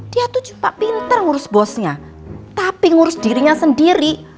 dia tuh cuma pinter ngurus bosnya tapi ngurus dirinya sendiri